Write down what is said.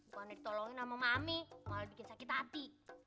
bukan ditolongin sama mami malah bikin sakit hati